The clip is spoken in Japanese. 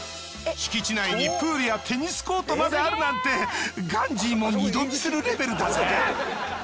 敷地内にプールやテニスコートまであるなんてガンジーも二度見するレベルだぜ。